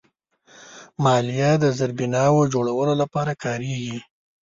مالیه د زیربناوو جوړولو لپاره کارېږي.